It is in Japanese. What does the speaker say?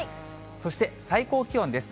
そして、最高気温です。